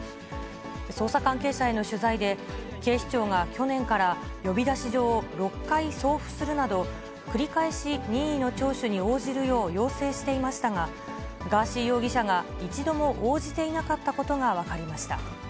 捜査関係者への取材で、警視庁が去年から呼び出し状を６回送付するなど、繰り返し任意の聴取に応じるよう要請していましたが、ガーシー容疑者が一度も応じていなかったことが分かりました。